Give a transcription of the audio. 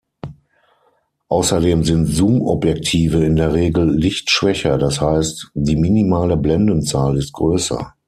Außerdem sind Zoomobjektive in der Regel lichtschwächer, das heißt: die minimale Blendenzahl ist größer.